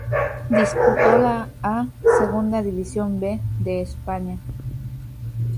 Disputó la a Segunda División B de España.